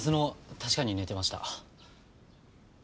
確かに寝てました。